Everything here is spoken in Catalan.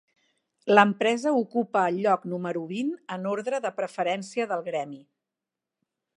L'empresa ocupa el lloc número vint en ordre de preferència del gremi.